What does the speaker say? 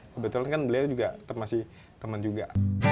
kebetulan kan beliau juga masih teman juga